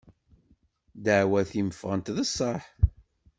Ddeɛwat-im ffɣen d sseḥ.